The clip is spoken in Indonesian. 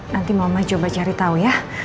nanti mama coba cari tahu ya